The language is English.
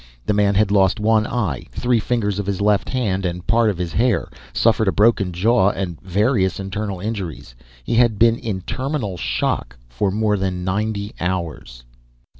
The man had lost one eye, three fingers of his left hand and part of his hair, suffered a broken jaw and various internal injuries. He had been in terminal shock for more than ninety hours.